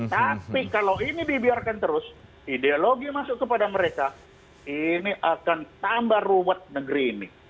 tapi kalau ini dibiarkan terus ideologi masuk kepada mereka ini akan tambah ruwet negeri ini